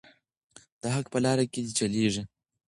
د حق په لاره کې دې چلیږي.